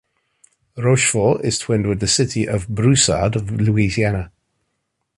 Rochefort is twinned with the city of Broussard, Louisiana.